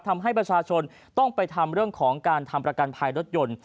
ทำให้ประชาชนต้องไปทำเรื่องของการทำประกันภัยรถยนต์